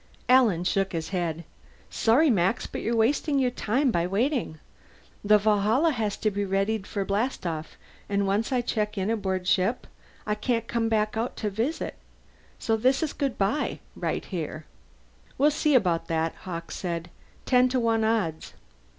Alan shook his head. "Sorry, Max, but you're wasting your time by waiting. The Valhalla has to be readied for blastoff, and once I check in aboard ship I can't come back to visit. So this is goodbye, right here." "We'll see about that," Hawkes said. "Ten to one odds."